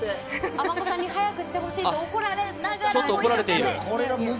あまこさんに早くしてほしいと怒られながらも一生懸命。